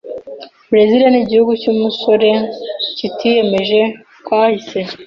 Burezili nigihugu cyumusore kitiyemeje kahise.